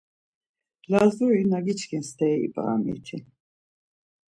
Lazuri, na giçkin steri ip̌aramiti.